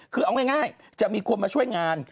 คือเอาง่ายจะมีคนมาช่วยงาน